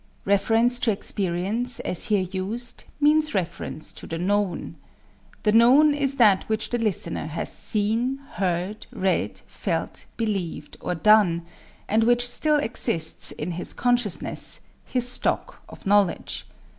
"Reference to experience, as here used, means reference to the known. The known is that which the listener has seen, heard, read, felt, believed or done, and which still exists in his consciousness his stock of knowledge.